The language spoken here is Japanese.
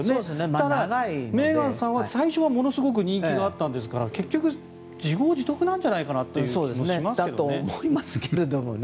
ただメーガンさんは最初はものすごく人気があったわけですから結局、自業自得なんじゃないかなと思いますけどね。